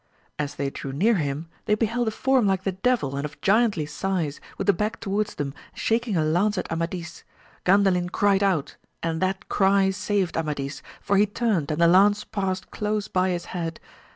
As they drew near him they beheld a form like the Devil, and of giantly size, with the back to wards them, shaking a lance at Amadis. Gandalin cried out, and that cry saved Amadis, for he turned and the lance passed close by his head.